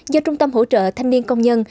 do trung tâm hỗ trợ thanh niên công nhân